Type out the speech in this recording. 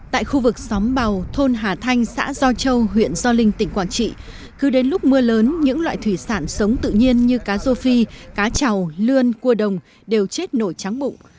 tại khu vực xóm bào thôn hà thanh xã do châu huyện do linh tỉnh quảng trị cứ đến lúc mưa lớn những loại thủy sản sống tự nhiên như cá rô phi cá trào lươn cua đồng đều chết nổi trắng bụng